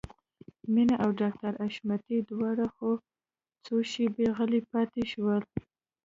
مينه او ډاکټر حشمتي دواړه څو شېبې غلي پاتې شول.